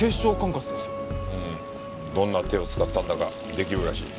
うんどんな手を使ったんだか出来るらしい。